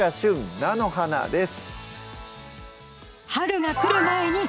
菜の花」です